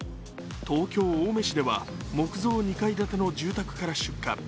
東京・青梅市では木造２階建ての住宅から出火。